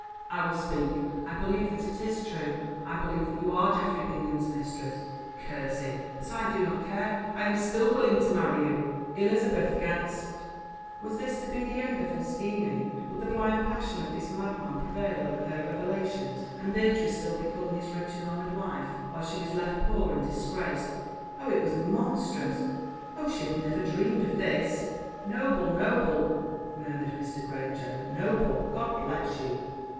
"I will speak. I believe that it is true. I believe that you are Geoffrey Bingham's mistress, curse him! but I do not care. I am still willing to marry you." Elizabeth gasped. Was this to be the end of her scheming? Would the blind passion of this madman prevail over her revelations, and Beatrice still become his rich and honoured wife, while she was left poor and disgraced? Oh, it was monstrous! Oh, she had never dreamed of this! "Noble, noble!" murmured Mr. Granger; "noble! God bless you!"